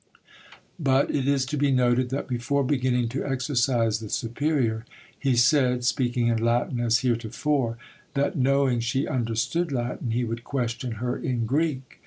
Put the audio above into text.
But it is to be noted that before beginning to exorcise the superior, he said, speaking in Latin as heretofore, that knowing she understood Latin, he would question her in Greek.